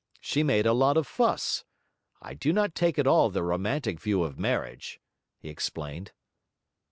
She made a lot of fuss. I do not take at all the romantic view of marriage,' he explained.